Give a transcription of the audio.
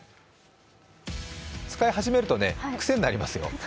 使い始めるとね、クセになりますよ